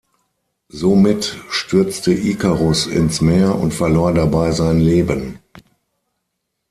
Somit stürzte Ikarus ins Meer und verlor dabei sein Leben.